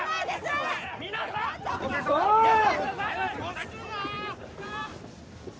・大丈夫か？